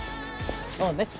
そうね。